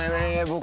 僕